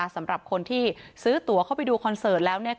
สำหรับคนที่ซื้อตัวเข้าไปดูคอนเสิร์ตแล้ว